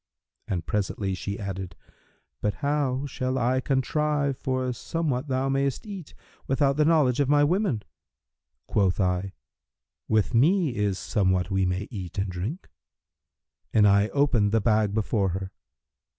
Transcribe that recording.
And presently she added, 'But how shall I contrive for somewhat thou mayst eat, without the knowledge of my women?' Quoth I, 'With me is somewhat we may eat and drink;' and I opened the bag before her.